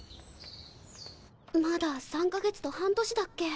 まだ３か月と半年だっけ？